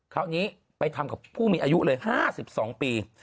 คราวนี้ไปทำกับผู้มีอายุเลย๕๒ปี